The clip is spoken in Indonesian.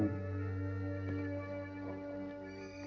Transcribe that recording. saya akan mencoba